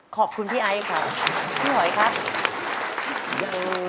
ขอบคุณพี่ไอซ์ค่ะพี่หอยครับ